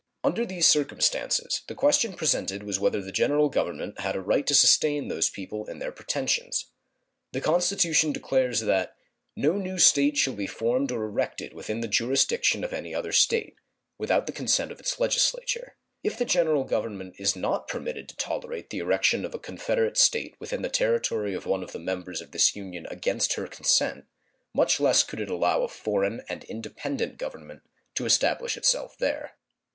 Under these circumstances the question presented was whether the General Government had a right to sustain those people in their pretensions. The Constitution declares that "no new State shall be formed or erected within the jurisdiction of any other State" without the consent of its legislature. If the General Government is not permitted to tolerate the erection of a confederate State within the territory of one of the members of this Union against her consent, much less could it allow a foreign and independent government to establish itself there.